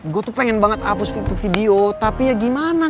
gue tuh pengen banget hapus video tapi ya gimana